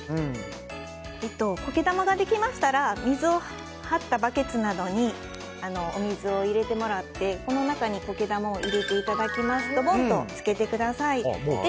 苔玉ができましたらバケツなどに水を入れてもらってこの中に苔玉を入れていただきますとボンと浸けてください。